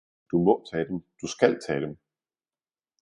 Du må tage dem, du skal tage dem!